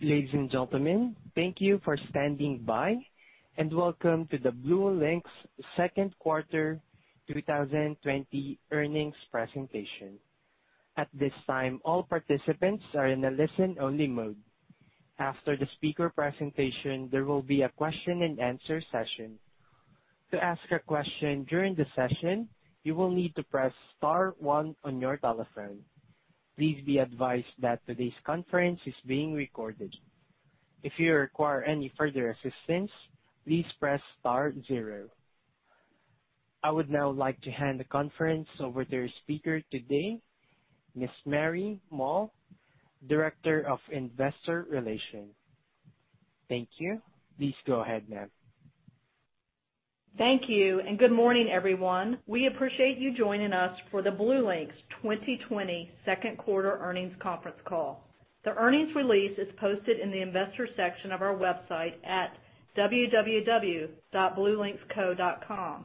Ladies and gentlemen, thank you for standing by, and welcome to the BlueLinx second quarter 2020 earnings presentation. At this time, all participants are in a listen-only mode. After the speaker presentation, there will be a question-and-answer session. To ask a question during the session, you will need to press star one on your telephone. Please be advised that today's conference is being recorded. If you require any further assistance, please press star zero. I would now like to hand the conference over to our speaker today, Ms. Mary Moll, Director of Investor Relations. Thank you. Please go ahead, ma'am. Thank you, and good morning, everyone. We appreciate you joining us for the BlueLinx 2020 second quarter earnings conference call. The earnings release is posted in the Investors section of our website at www.bluelinxco.com.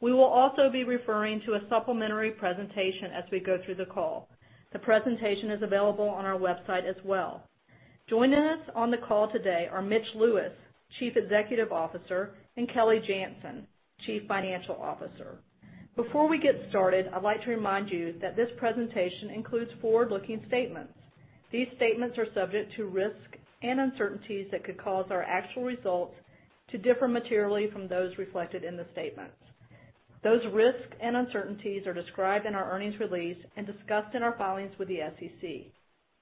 We will also be referring to a supplementary presentation as we go through the call. The presentation is available on our website as well. Joining us on the call today are Mitch Lewis, Chief Executive Officer, and Kelly Janzen, Chief Financial Officer. Before we get started, I'd like to remind you that this presentation includes forward-looking statements. These statements are subject to risks and uncertainties that could cause our actual results to differ materially from those reflected in the statements. Those risks and uncertainties are described in our earnings release and discussed in our filings with the SEC.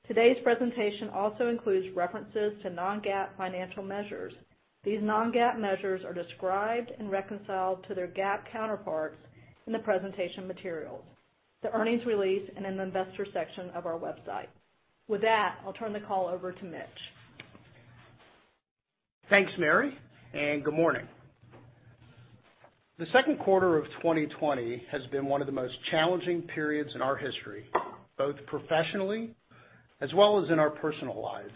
Today's presentation also includes references to non-GAAP financial measures. These non-GAAP measures are described and reconciled to their GAAP counterparts in the presentation materials, the earnings release, and in the Investor section of our website. With that, I'll turn the call over to Mitch. Thanks, Mary, and good morning. The second quarter of 2020 has been one of the most challenging periods in our history, both professionally as well as in our personal lives.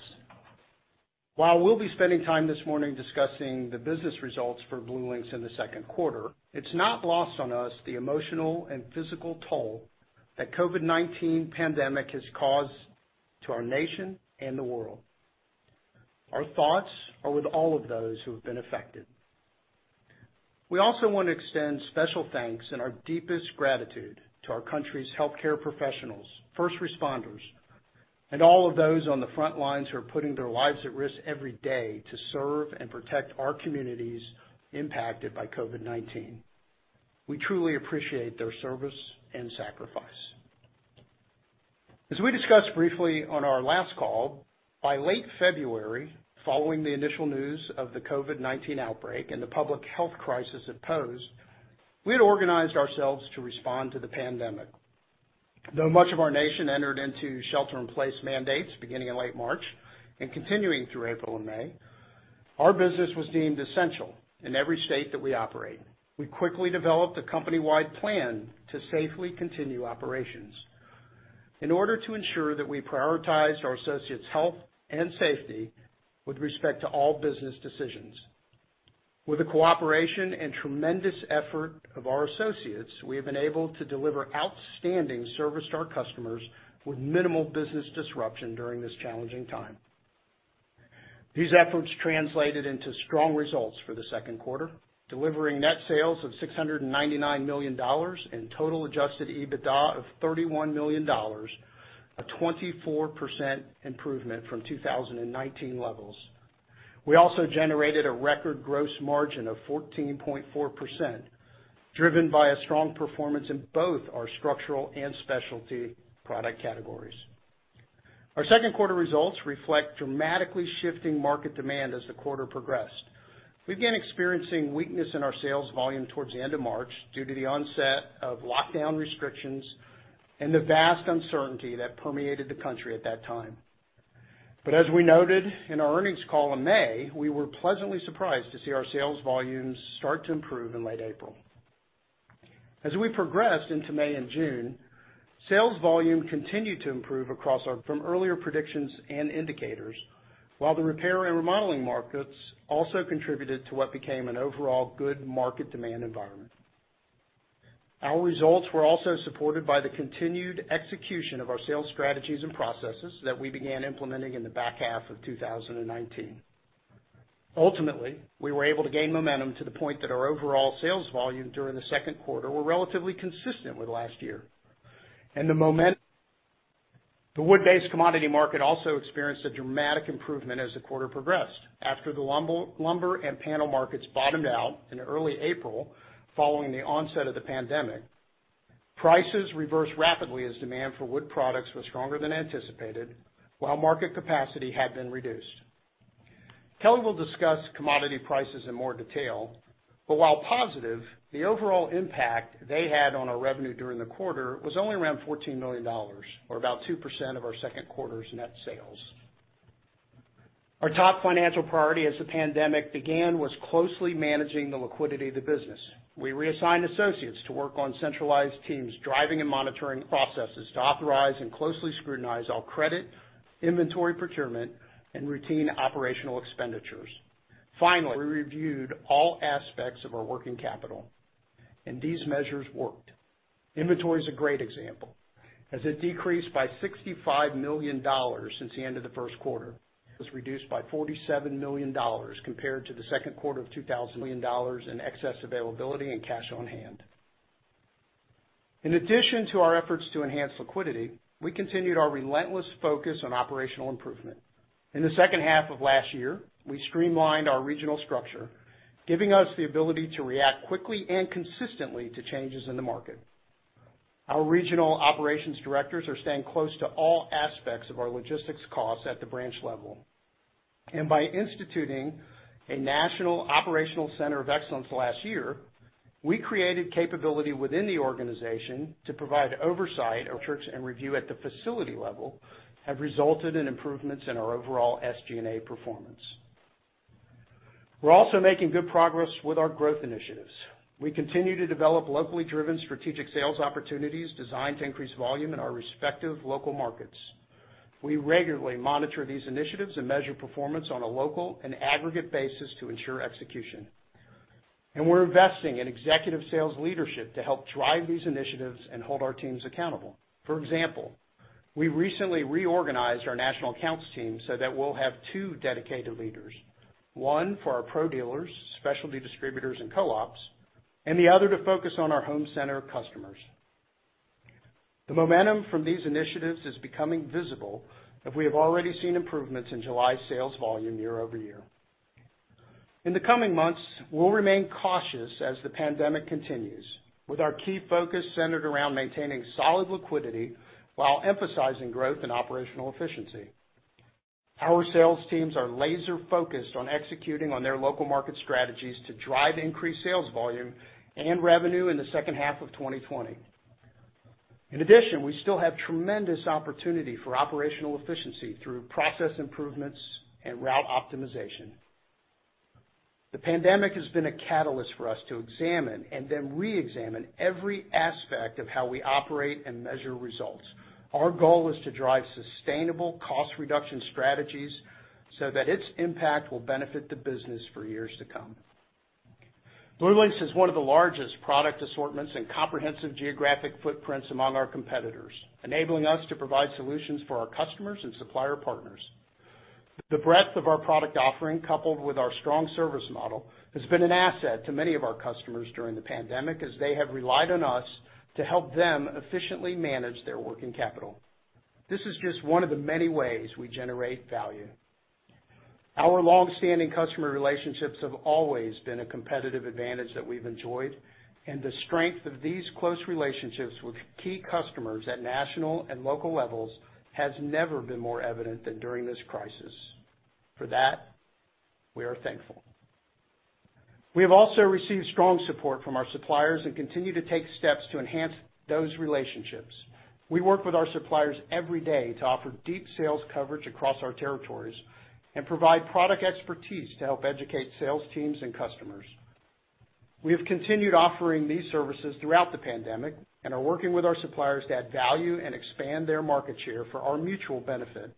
While we'll be spending time this morning discussing the business results for BlueLinx in the second quarter, it's not lost on us the emotional and physical toll that COVID-19 pandemic has caused to our nation and the world. Our thoughts are with all of those who have been affected. We also want to extend special thanks and our deepest gratitude to our country's healthcare professionals, first responders, and all of those on the front lines who are putting their lives at risk every day to serve and protect our communities impacted by COVID-19. We truly appreciate their service and sacrifice. As we discussed briefly on our last call, by late February, following the initial news of the COVID-19 outbreak and the public health crisis it posed, we had organized ourselves to respond to the pandemic. Though much of our nation entered into shelter-in-place mandates beginning in late March and continuing through April and May, our business was deemed essential in every state that we operate. We quickly developed a company-wide plan to safely continue operations in order to ensure that we prioritized our associates' health and safety with respect to all business decisions. With the cooperation and tremendous effort of our associates, we have been able to deliver outstanding service to our customers with minimal business disruption during this challenging time. These efforts translated into strong results for the second quarter, delivering net sales of $699 million and total Adjusted EBITDA of $31 million, a 24% improvement from 2019 levels. We also generated a record gross margin of 14.4%, driven by a strong performance in both our structural and specialty product categories. Our second quarter results reflect dramatically shifting market demand as the quarter progressed. We began experiencing weakness in our sales volume towards the end of March due to the onset of lockdown restrictions and the vast uncertainty that permeated the country at that time. As we noted in our earnings call in May, we were pleasantly surprised to see our sales volumes start to improve in late April. As we progressed into May and June, sales volume continued to improve across from earlier predictions and indicators, while the repair and remodeling markets also contributed to what became an overall good market demand environment. Our results were also supported by the continued execution of our sales strategies and processes that we began implementing in the back half of 2019. Ultimately, we were able to gain momentum to the point that our overall sales volume during the second quarter were relatively consistent with last year. The wood-based commodity market also experienced a dramatic improvement as the quarter progressed. After the lumber and panel markets bottomed out in early April following the onset of the pandemic, prices reversed rapidly as demand for wood products was stronger than anticipated while market capacity had been reduced. Kelly will discuss commodity prices in more detail, but while positive, the overall impact they had on our revenue during the quarter was only around $14 million, or about 2% of our second quarter's net sales. Our top financial priority as the pandemic began was closely managing the liquidity of the business. We reassigned associates to work on centralized teams, driving and monitoring processes to authorize and closely scrutinize all credit, inventory procurement, and routine operational expenditures. We reviewed all aspects of our working capital. These measures worked. Inventory is a great example, as it decreased by $65 million since the end of the first quarter. Was reduced by $47 million compared to the second quarter of [2000. Million] dollars in excess availability and cash on hand. In addition to our efforts to enhance liquidity, we continued our relentless focus on operational improvement. In the second half of last year, we streamlined our regional structure, giving us the ability to react quickly and consistently to changes in the market. Our regional operations directors are staying close to all aspects of our logistics costs at the branch level. By instituting a national operational center of excellence last year, we created capability within the organization to provide oversight of and review at the facility level have resulted in improvements in our overall SG&A performance. We're also making good progress with our growth initiatives. We continue to develop locally driven strategic sales opportunities designed to increase volume in our respective local markets. We regularly monitor these initiatives and measure performance on a local and aggregate basis to ensure execution. We're investing in executive sales leadership to help drive these initiatives and hold our teams accountable. For example, we recently reorganized our national accounts team so that we'll have two dedicated leaders, one for our pro dealers, specialty distributors, and co-ops, and the other to focus on our home center customers. The momentum from these initiatives is becoming visible, and we have already seen improvements in July sales volume year-over-year. In the coming months, we'll remain cautious as the pandemic continues, with our key focus centered around maintaining solid liquidity while emphasizing growth and operational efficiency. Our sales teams are laser-focused on executing on their local market strategies to drive increased sales volume and revenue in the second half of 2020. We still have tremendous opportunity for operational efficiency through process improvements and route optimization. The pandemic has been a catalyst for us to examine and then reexamine every aspect of how we operate and measure results. Our goal is to drive sustainable cost reduction strategies so that its impact will benefit the business for years to come. BlueLinx has one of the largest product assortments and comprehensive geographic footprints among our competitors, enabling us to provide solutions for our customers and supplier partners. The breadth of our product offering, coupled with our strong service model, has been an asset to many of our customers during the pandemic, as they have relied on us to help them efficiently manage their working capital. This is just one of the many ways we generate value. Our long-standing customer relationships have always been a competitive advantage that we've enjoyed, and the strength of these close relationships with key customers at national and local levels has never been more evident than during this crisis. For that, we are thankful. We have also received strong support from our suppliers and continue to take steps to enhance those relationships. We work with our suppliers every day to offer deep sales coverage across our territories and provide product expertise to help educate sales teams and customers. We have continued offering these services throughout the pandemic and are working with our suppliers to add value and expand their market share for our mutual benefit.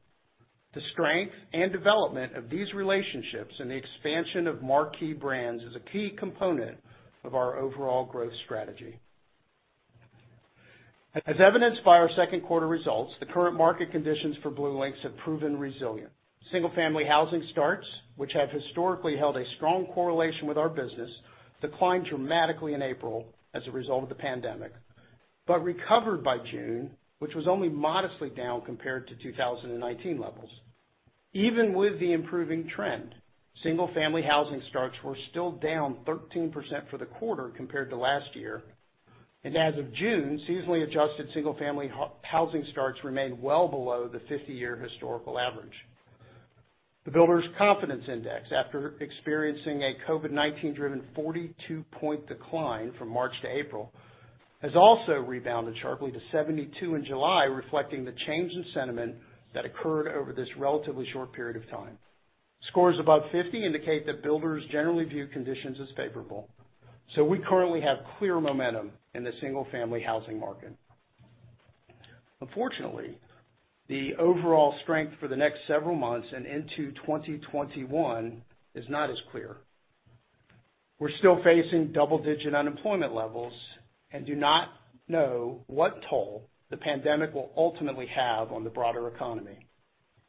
The strength and development of these relationships and the expansion of marquee brands is a key component of our overall growth strategy. As evidenced by our second quarter results, the current market conditions for BlueLinx have proven resilient. Single-family housing starts, which have historically held a strong correlation with our business, declined dramatically in April as a result of the pandemic, but recovered by June, which was only modestly down compared to 2019 levels. Even with the improving trend, Single-family housing starts were still down 13% for the quarter compared to last year. As of June, seasonally adjusted single-family housing starts remain well below the 50-year historical average. The Builders Confidence Index, after experiencing a COVID-19-driven 42-point decline from March to April, has also rebounded sharply to 72 in July, reflecting the change in sentiment that occurred over this relatively short period of time. Scores above 50 indicate that builders generally view conditions as favorable. We currently have clear momentum in the single-family housing market. Unfortunately, the overall strength for the next several months and into 2021 is not as clear. We're still facing double-digit unemployment levels and do not know what toll the pandemic will ultimately have on the broader economy.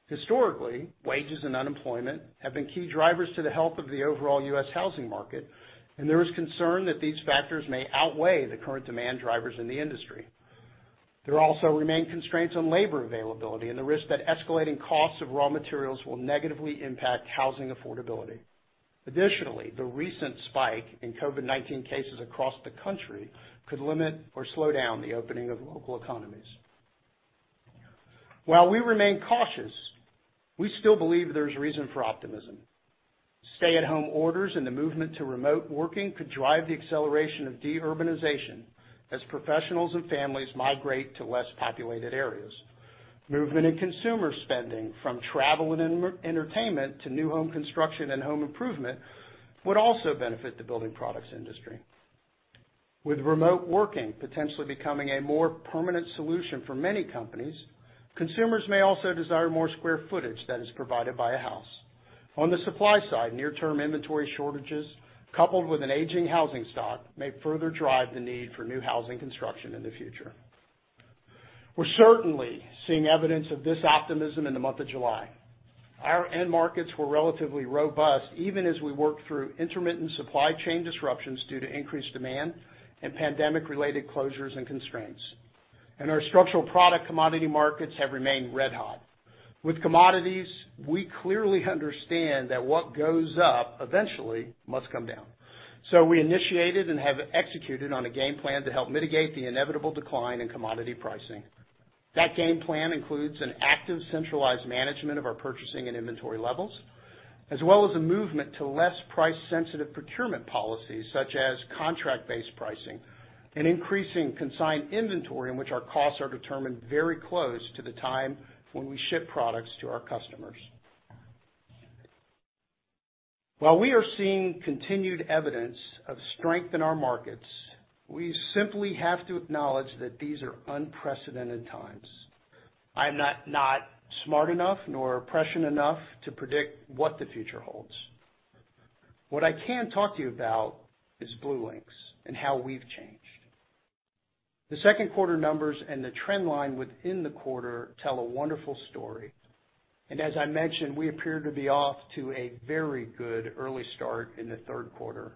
Historically, wages and unemployment have been key drivers to the health of the overall U.S. housing market, and there is concern that these factors may outweigh the current demand drivers in the industry. There also remain constraints on labor availability and the risk that escalating costs of raw materials will negatively impact housing affordability. The recent spike in COVID-19 cases across the country could limit or slow down the opening of local economies. While we remain cautious, we still believe there's reason for optimism. Stay-at-home orders and the movement to remote working could drive the acceleration of de-urbanization as professionals and families migrate to less populated areas. Movement in consumer spending from travel and entertainment to new home construction and home improvement would also benefit the building products industry. With remote working potentially becoming a more permanent solution for many companies, consumers may also desire more square footage that is provided by a house. On the supply side, near-term inventory shortages, coupled with an aging housing stock, may further drive the need for new housing construction in the future. We're certainly seeing evidence of this optimism in the month of July. Our end markets were relatively robust, even as we worked through intermittent supply chain disruptions due to increased demand and pandemic-related closures and constraints. Our structural product commodity markets have remained red hot. With commodities, we clearly understand that what goes up eventually must come down. We initiated and have executed on a game plan to help mitigate the inevitable decline in commodity pricing. That game plan includes an active, centralized management of our purchasing and inventory levels, as well as a movement to less price-sensitive procurement policies such as contract-based pricing and increasing consigned inventory in which our costs are determined very close to the time when we ship products to our customers. While we are seeing continued evidence of strength in our markets, we simply have to acknowledge that these are unprecedented times. I am not smart enough nor prescient enough to predict what the future holds. What I can talk to you about is BlueLinx and how we've changed. The second quarter numbers and the trend line within the quarter tell a wonderful story. As I mentioned, we appear to be off to a very good early start in the third quarter.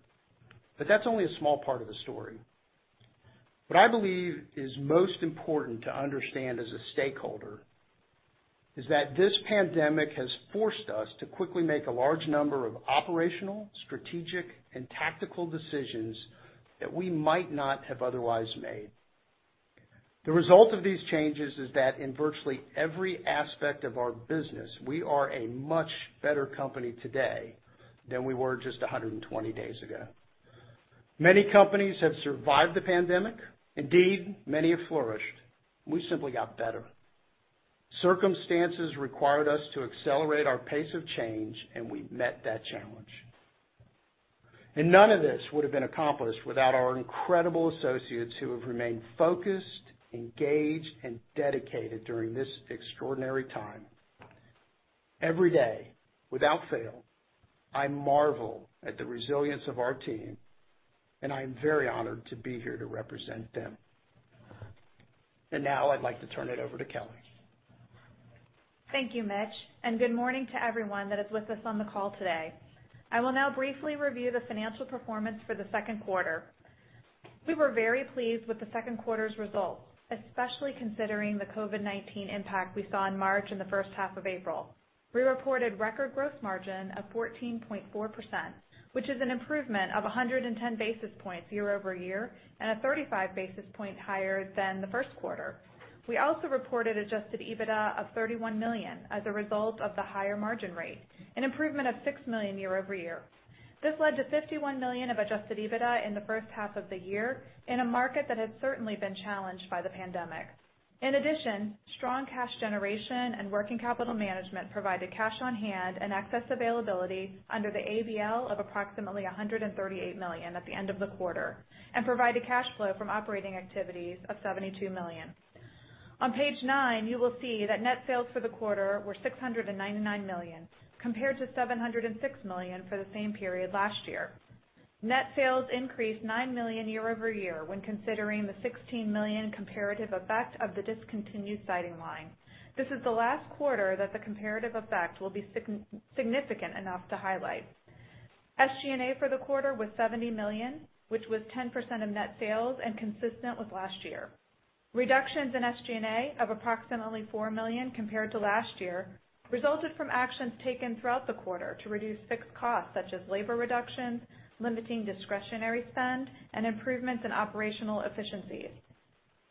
That's only a small part of the story. What I believe is most important to understand as a stakeholder is that this pandemic has forced us to quickly make a large number of operational, strategic, and tactical decisions that we might not have otherwise made. The result of these changes is that in virtually every aspect of our business, we are a much better company today than we were just 120 days ago. Many companies have survived the pandemic. Indeed, many have flourished. We simply got better. Circumstances required us to accelerate our pace of change, and we met that challenge. None of this would've been accomplished without our incredible associates who have remained focused, engaged, and dedicated during this extraordinary time. Every day, without fail, I marvel at the resilience of our team, and I am very honored to be here to represent them. Now I'd like to turn it over to Kelly. Thank you, Mitch, and good morning to everyone that is with us on the call today. I will now briefly review the financial performance for the second quarter. We were very pleased with the second quarter's results, especially considering the COVID-19 impact we saw in March and the first half of April. We reported record gross margin of 14.4%, which is an improvement of 110 basis points year-over-year and a 35 basis point higher than the first quarter. We also reported Adjusted EBITDA of $31 million as a result of the higher margin rate, an improvement of $6 million year-over-year. This led to $51 million of Adjusted EBITDA in the first half of the year in a market that has certainly been challenged by the pandemic. In addition, strong cash generation and working capital management provided cash on hand and excess availability under the ABL of approximately $138 million at the end of the quarter, and provided cash flow from operating activities of $72 million. On page nine, you will see that net sales for the quarter were $699 million, compared to $706 million for the same period last year. Net sales increased $9 million year-over-year when considering the $16 million comparative effect of the discontinued siding line. This is the last quarter that the comparative effect will be significant enough to highlight. SG&A for the quarter was $70 million, which was 10% of net sales and consistent with last year. Reductions in SG&A of approximately $4 million compared to last year resulted from actions taken throughout the quarter to reduce fixed costs such as labor reductions, limiting discretionary spend, and improvements in operational efficiencies.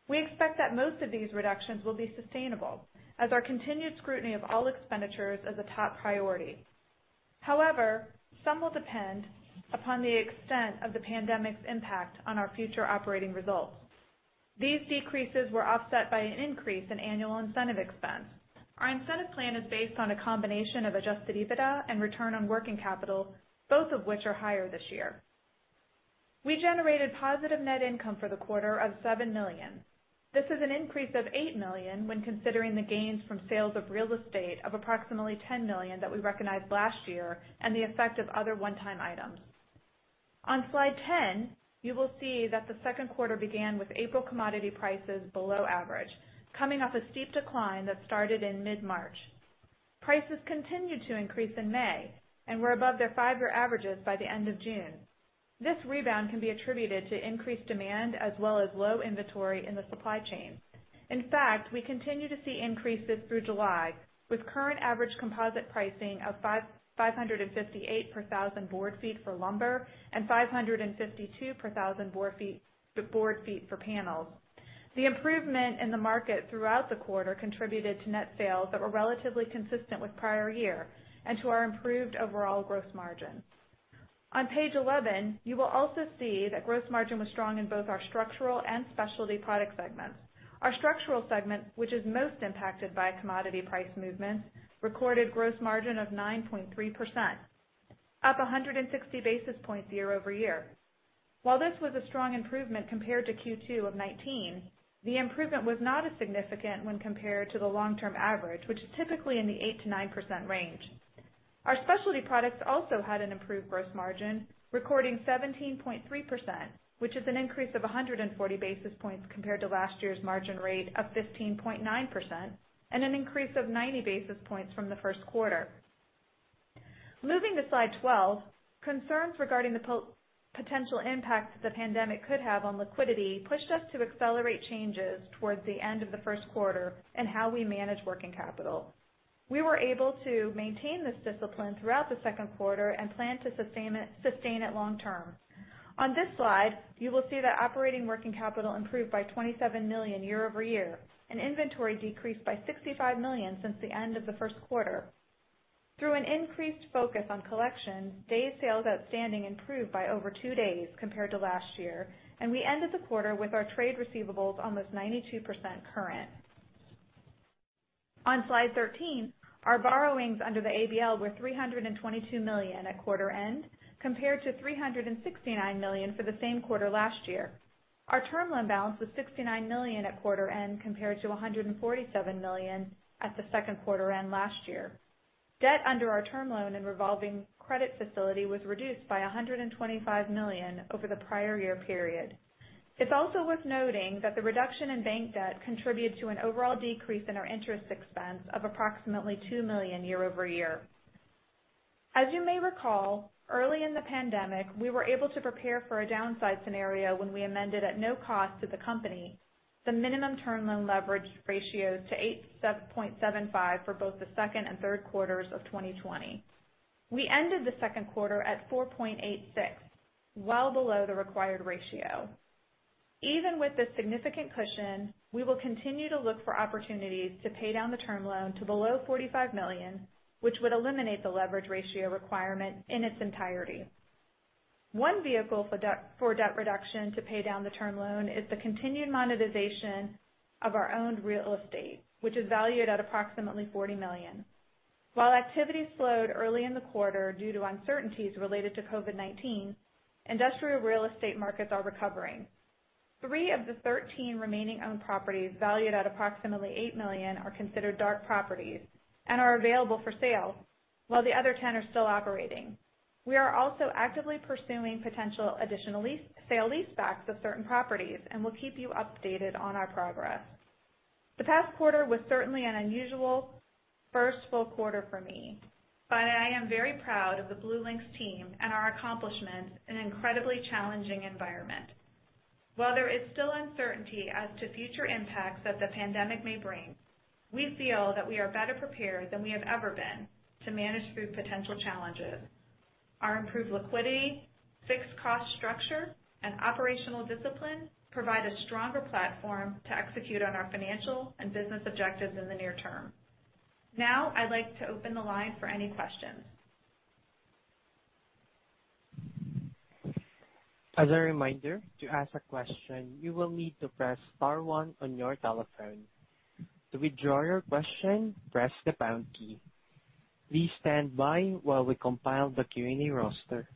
We expect that most of these reductions will be sustainable as our continued scrutiny of all expenditures is a top priority. Some will depend upon the extent of the pandemic's impact on our future operating results. These decreases were offset by an increase in annual incentive expense. Our incentive plan is based on a combination of Adjusted EBITDA and return on working capital, both of which are higher this year. We generated positive net income for the quarter of $7 million. This is an increase of $8 million when considering the gains from sales of real estate of approximately $10 million that we recognized last year and the effect of other one-time items. On slide 10, you will see that the second quarter began with April commodity prices below average, coming off a steep decline that started in mid-March. Prices continued to increase in May and were above their five-year averages by the end of June. This rebound can be attributed to increased demand as well as low inventory in the supply chain. In fact, we continue to see increases through July, with current average composite pricing of $558 per thousand board feet for lumber and $552 per thousand board feet for panels. The improvement in the market throughout the quarter contributed to net sales that were relatively consistent with prior year and to our improved overall gross margin. On page 11, you will also see that gross margin was strong in both our structural and specialty product segments. Our Structural segment, which is most impacted by commodity price movements, recorded gross margin of 9.3%. Up 160 basis points year-over-year. While this was a strong improvement compared to Q2 of 2019, the improvement was not as significant when compared to the long-term average, which is typically in the 8%-9% range. Our Specialty Products also had an improved gross margin, recording 17.3%, which is an increase of 140 basis points compared to last year's margin rate of 15.9%, and an increase of 90 basis points from the first quarter. Moving to slide 12, concerns regarding the potential impact the pandemic could have on liquidity pushed us to accelerate changes towards the end of the first quarter in how we manage working capital. We were able to maintain this discipline throughout the second quarter and plan to sustain it long term. On this slide, you will see that operating working capital improved by $27 million year-over-year, and inventory decreased by $65 million since the end of the first quarter. Through an increased focus on collections, Days Sales Outstanding improved by over two days compared to last year, and we ended the quarter with our trade receivables almost 92% current. On slide 13, our borrowings under the ABL were $322 million at quarter end, compared to $369 million for the same quarter last year. Our term loan balance was $69 million at quarter end, compared to $147 million at the second quarter end last year. Debt under our term loan and revolving credit facility was reduced by $125 million over the prior-year period. It's also worth noting that the reduction in bank debt contributed to an overall decrease in our interest expense of approximately $2 million year-over-year. As you may recall, early in the pandemic, we were able to prepare for a downside scenario when we amended at no cost to the company the minimum term loan leverage ratio to 8.75 for both the second and third quarters of 2020. We ended the second quarter at 4.86, well below the required ratio. Even with this significant cushion, we will continue to look for opportunities to pay down the term loan to below $45 million, which would eliminate the leverage ratio requirement in its entirety. One vehicle for debt reduction to pay down the term loan is the continued monetization of our owned real estate, which is valued at approximately $40 million. While activity slowed early in the quarter due to uncertainties related to COVID-19, industrial real estate markets are recovering. Three of the 13 remaining owned properties valued at approximately $8 million are considered dark properties and are available for sale, while the other 10 are still operating. We are also actively pursuing potential additional sale-leasebacks of certain properties, and we'll keep you updated on our progress. The past quarter was certainly an unusual first full quarter for me, but I am very proud of the BlueLinx team and our accomplishments in an incredibly challenging environment. While there is still uncertainty as to future impacts that the pandemic may bring, we feel that we are better prepared than we have ever been to manage through potential challenges. Our improved liquidity, fixed cost structure, and operational discipline provide a stronger platform to execute on our financial and business objectives in the near term. Now, I'd like to open the line for any questions. As a reminder, to ask a question, you will need to press star one on your telephone. To withdraw your question, press the pound key. Please stand by while we compile the Q&A roster.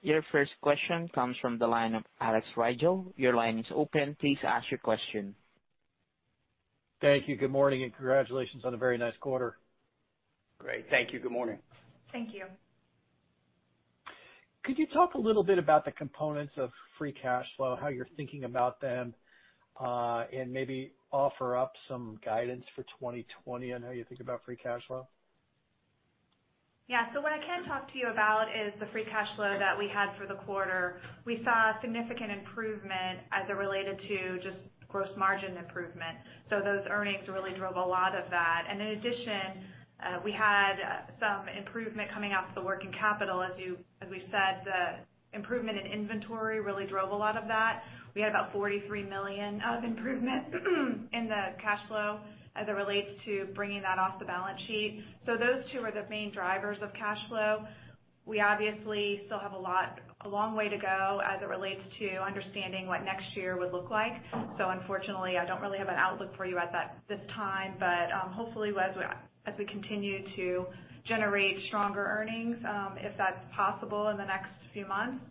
Your first question comes from the line of Alex Rygiel. Your line is open. Please ask your question. Thank you. Good morning, congratulations on a very nice quarter. Great. Thank you. Good morning. Thank you. Could you talk a little bit about the components of free cash flow, how you're thinking about them, and maybe offer up some guidance for 2020 on how you think about free cash flow? Yeah. What I can talk to you about is the free cash flow that we had for the quarter. We saw significant improvement as it related to just gross margin improvement. Those earnings really drove a lot of that. In addition, we had some improvement coming off the working capital. As we said, the improvement in inventory really drove a lot of that. We had about $43 million of improvement in the cash flow as it relates to bringing that off the balance sheet. Those two are the main drivers of cash flow. We obviously still have a long way to go as it relates to understanding what next year would look like. Unfortunately, I don't really have an outlook for you at this time. Hopefully, as we continue to generate stronger earnings, if that's possible in the next few months,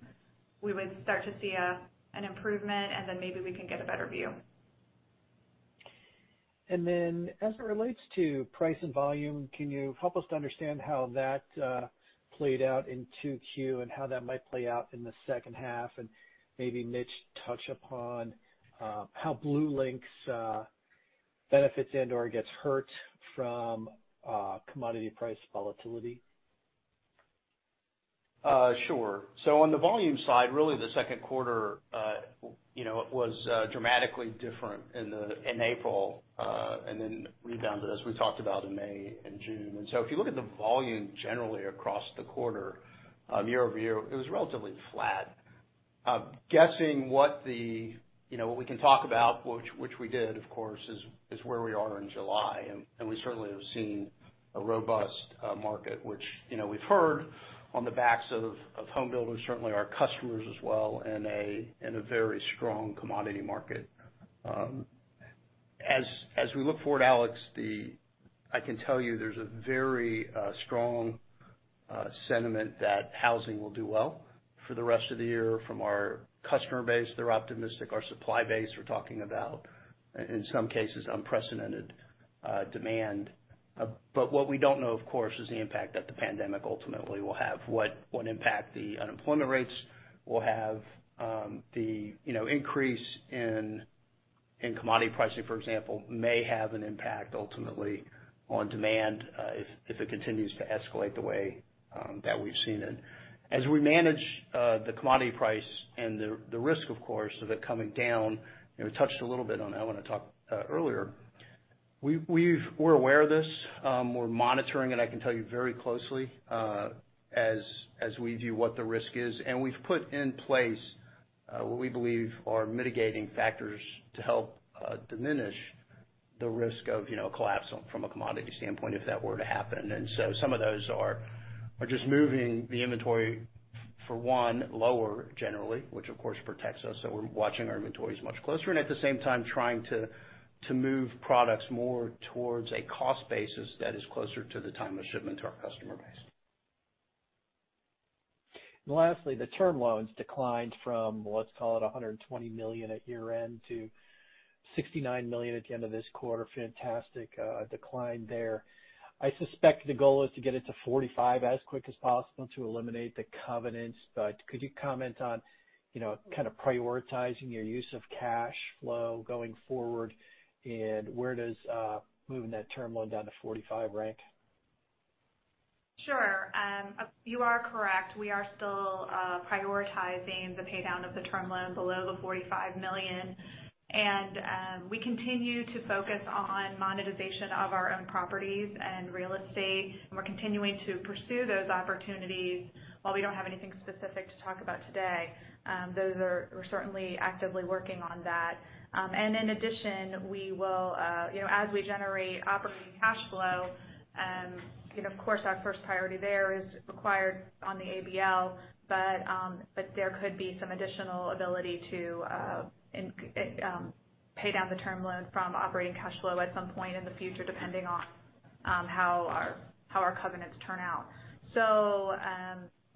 we would start to see an improvement, and then maybe we can get a better view. As it relates to price and volume, can you help us to understand how that played out in 2Q and how that might play out in the second half? Maybe Mitch touch upon how BlueLinx benefits in or gets hurt from commodity price volatility. Sure. On the volume side, really the second quarter, you know, was dramatically different in April, and then rebounded as we talked about in May and June. If you look at the volume generally across the quarter, year-over-year, it was relatively flat. Guessing what we can talk about, which we did, of course, is where we are in July. We certainly have seen a robust market, which we've heard on the backs of homebuilders, certainly our customers as well, in a very strong commodity market. As we look forward, Alex, I can tell you there's a very strong sentiment that housing will do well for the rest of the year from our customer base. They're optimistic. Our supply base, we're talking about, in some cases, unprecedented demand. What we don't know, of course, is the impact that the pandemic ultimately will have. What impact the unemployment rates will have. The increase in commodity pricing, for example, may have an impact ultimately on demand, if it continues to escalate the way that we've seen it. As we manage the commodity price and the risk, of course, of it coming down, we touched a little bit on that when I talked earlier. We're aware of this. We're monitoring it, I can tell you, very closely, as we view what the risk is. We've put in place what we believe are mitigating factors to help diminish the risk of a collapse from a commodity standpoint, if that were to happen. Some of those are just moving the inventory, for one, lower generally, which of course protects us. We're watching our inventories much closer. At the same time, trying to move products more towards a cost basis that is closer to the time of shipment to our customer base. Lastly, the term loans declined from, let's call it, $120 million at year-end to $69 million at the end of this quarter. Fantastic decline there. I suspect the goal is to get it to $45 as quick as possible to eliminate the covenants. Could you comment on kind of prioritizing your use of cash flow going forward, and where does moving that term loan down to $45 rank? Sure. You are correct. We are still prioritizing the paydown of the term loans below the $45 million, and we continue to focus on monetization of our own properties and real estate, and we're continuing to pursue those opportunities. While we don't have anything specific to talk about today, we're certainly actively working on that. In addition, as we generate operating cash flow, of course, our first priority there is required on the ABL. There could be some additional ability to pay down the term loan from operating cash flow at some point in the future, depending on how our covenants turn out.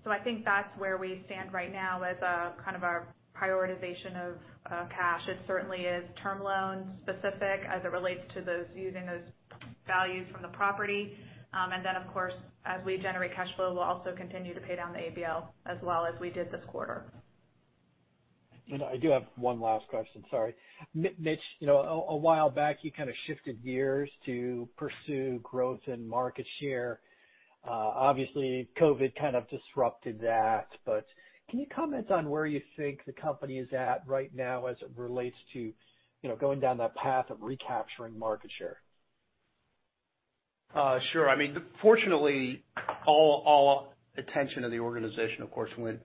I think that's where we stand right now as kind of our prioritization of cash. It certainly is term loan specific as it relates to using those values from the property. Of course, as we generate cash flow, we'll also continue to pay down the ABL as well as we did this quarter. I do have one last question, sorry. Mitch, a while back, you kind of shifted gears to pursue growth and market share. Obviously, COVID kind of disrupted that. Can you comment on where you think the company is at right now as it relates to going down that path of recapturing market share? Sure. I mean, fortunately, all attention of the organization, of course, went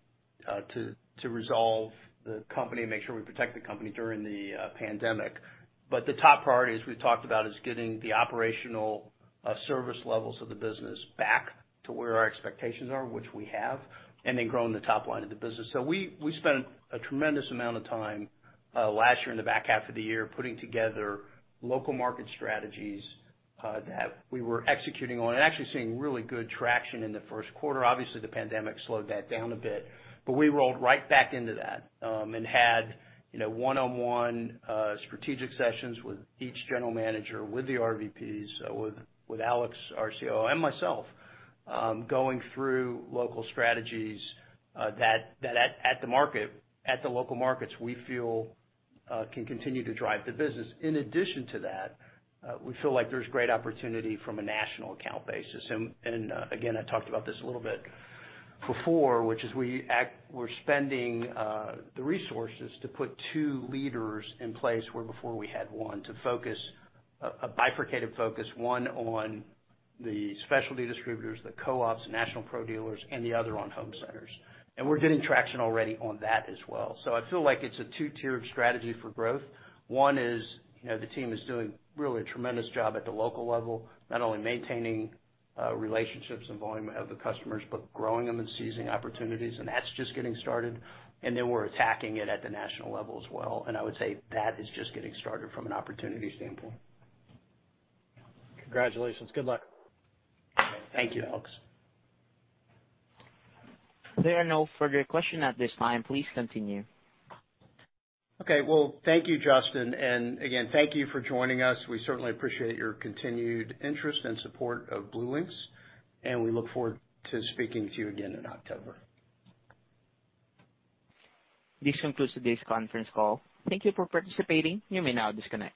to resolve the company and make sure we protect the company during the pandemic. The top priority, as we've talked about, is getting the operational service levels of the business back to where our expectations are, which we have, and then growing the top line of the business. We spent a tremendous amount of time last year in the back half of the year, putting together local market strategies that we were executing on and actually seeing really good traction in the first quarter. Obviously, the pandemic slowed that down a bit, but we rolled right back into that. Had one-on-one strategic sessions with each general manager, with the RVPs, with Alex, our COO, and myself, going through local strategies that at the local markets, we feel can continue to drive the business. In addition to that, we feel like there's great opportunity from a national account basis. Again, I talked about this a little bit before, which is we're spending the resources to put two leaders in place where before we had one, to focus a bifurcated focus, one on the specialty distributors, the co-ops, national pro dealers, and the other on home centers. We're getting traction already on that as well. I feel like it's a two-tiered strategy for growth. One is the team is doing really a tremendous job at the local level, not only maintaining relationships and volume of the customers, but growing them and seizing opportunities. That's just getting started. We're attacking it at the national level as well. I would say that is just getting started from an opportunity standpoint. Congratulations. Good luck. Thank you, Alex. There are no further questions at this time. Please continue. Okay. Well, thank you, Justin. Again, thank you for joining us. We certainly appreciate your continued interest and support of BlueLinx, and we look forward to speaking with you again in October. This concludes today's conference call. Thank you for participating. You may now disconnect.